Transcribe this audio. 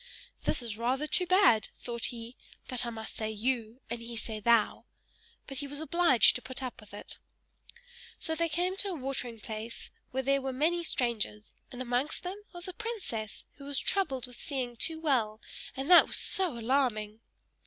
"This is rather too bad," thought he, "that I must say YOU and he say THOU," but he was now obliged to put up with it. So they came to a watering place where there were many strangers, and amongst them was a princess, who was troubled with seeing too well; and that was so alarming!